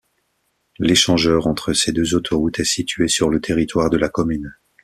L'échangeur entre ces deux autoroutes est situé sur le territoire de la commune.